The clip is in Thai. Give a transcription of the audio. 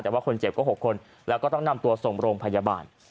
แต่ว่าคนเจ็บก็๖คนแล้วก็ต้องนำตัวส่งโรงพยาบาล